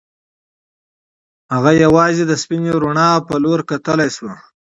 هغه یوازې د سپینې رڼا په لور کتلای شوای